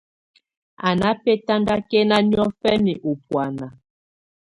Á ná bɛ́tandakɛ́na niɔ̀fɛna ú bùána.